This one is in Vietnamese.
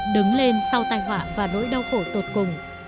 đứng lên sau tai họa và nỗi đau khổ tột cùng